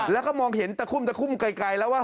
แล้วก็มองเห็นตะคุ่มตะคุ่มไกลแล้วว่า